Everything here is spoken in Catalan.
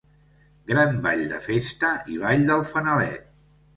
Gran ball de festa i ball del fanalet.